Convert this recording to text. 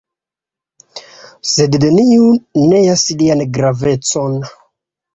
Sed neniu neas lian gravecon.